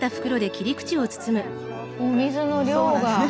お水の量が。